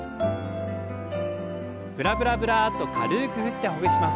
ブラブラブラッと軽く振ってほぐします。